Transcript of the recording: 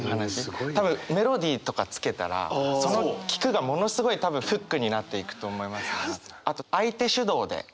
多分メロディーとかつけたらその「聞く」がものすごい多分フックになっていくと思いますね。